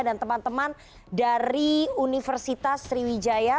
dan teman teman dari universitas sriwijaya